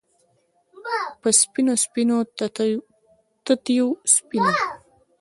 په سپینو، سپینو تتېو سپینو